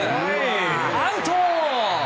アウト！